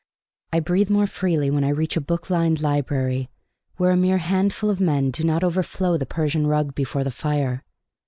I breathe more freely when I reach a book lined library where a mere handful of men do not overflow the Persian rug before the fire.